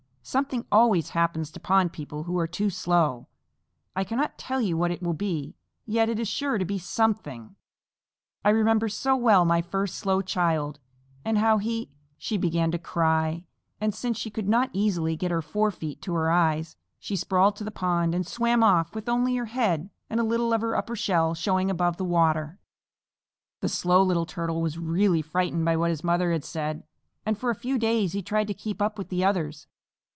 Something always happens to pond people who are too slow. I cannot tell you what it will be, yet it is sure to be something. I remember so well my first slow child and how he " She began to cry, and since she could not easily get her forefeet to her eyes, she sprawled to the pond and swam off with only her head and a little of her upper shell showing above the water. The Slow Little Turtle was really frightened by what his mother had said, and for a few days he tried to keep up with the others.